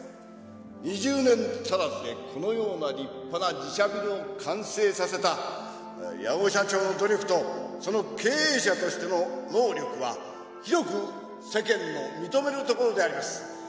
２０年足らずでこのような立派な自社ビルを完成させた矢後社長の努力とその経営者としての能力は広く世間の認めるところであります。